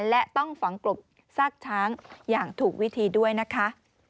และต้องฝังกลบซากช้างอย่างถูกวิธีด้วยนะคะ